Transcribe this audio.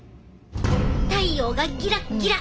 太陽がギラッギラ！